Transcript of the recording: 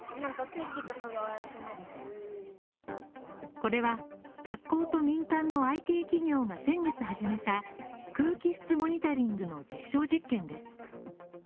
これは学校と民間のＩＴ企業が先月始めた空気質モニタリングの実証実験です。